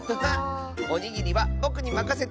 おにぎりはぼくにまかせて！